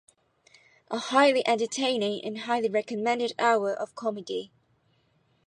A highly entertaining and highly recommended hour of comedy.